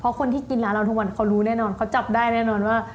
เพราะคนที่กินร้านเราทุกวันเขารู้แน่นอนเขาจับได้แน่นอนว่า